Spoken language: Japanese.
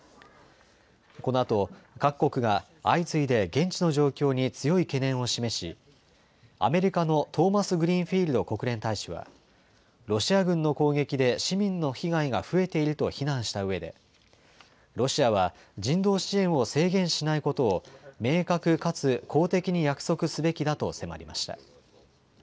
このあと各国が相次いで現地の状況に強い懸念を示しアメリカのトーマスグリーンフィールド国連大使はロシア軍の攻撃で市民の被害が増えていると非難したうえでロシアは人道支援を制限しないことを明確かつ公的に約束すべきだと迫りました。